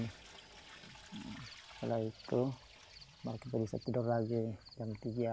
setelah itu baru kita bisa tidur lagi jam tiga